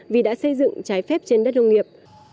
vì đã xây dựng trái phép trên đất nông nghiệp